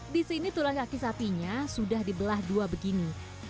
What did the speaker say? disini tulang kaki sapinya sudah dibelah dua begini